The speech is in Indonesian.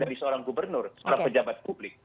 dari seorang gubernur seorang pejabat publik